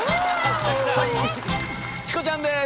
チコちゃんです。